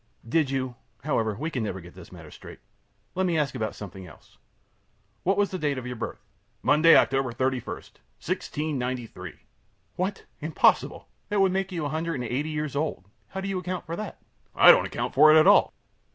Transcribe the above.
Q. Did you However, we can never get this matter straight. Let me ask about something else. What was the date of your birth? A. Monday, October 31, 1693. Q. What! Impossible! That would make you a hundred and eighty years old. How do you account for that? A. I don't account for it at all.